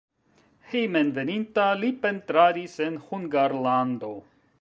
Hejmenveninta li pentradis en Hungarlando.